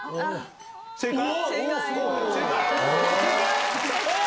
正解？